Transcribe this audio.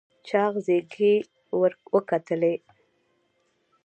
چاغ زيږې ور وکتلې.